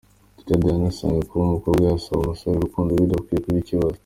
Teta Diana asanga kuba umukobwa yasaba umusore urukundo bidakwiye kuba ikibazo.